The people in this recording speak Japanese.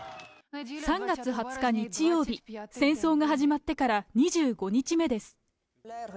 ３月２０日日曜日、戦争が始まってから２５日目です。